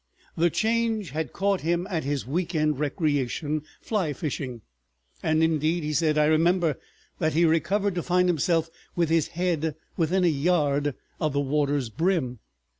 The Change had caught him at his week end recreation, fly fishing; and, indeed, he said, I remember, that he recovered to find himself with his head within a yard of the water's brim.